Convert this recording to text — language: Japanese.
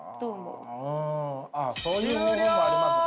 うんそういう方法もあります。